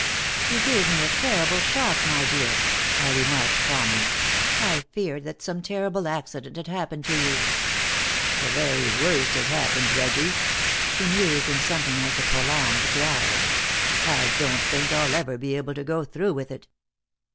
"You gave me a terrible shock, my dear," I remarked, calmly. "I feared that some terrible accident had happened to you." "The very worst has happened, Reggie," she mused, in something like a prolonged growl. "I don't think I'll ever be able to go through with it."